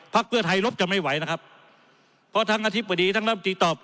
ภาคชื่อไทยลบจะไม่ไหวนะครับเพราะทั้งอธิบดีทันต้านปิดตอบ